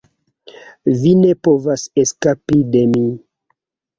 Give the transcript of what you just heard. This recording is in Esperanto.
Vi ne povas eskapi de mi.